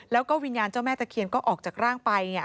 แล้วก็วิญญาณเจ้าแม่ตะเคียนก็ออกจากร่างไป